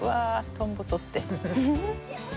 トンボ捕って。